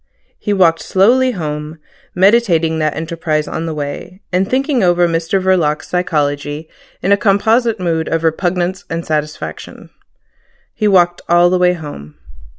He walked slowly home, meditating that enterprise on the way, and thinking over Mr Verloc's psychology in a composite mood of repugnance and satisfaction. He walked all the way home.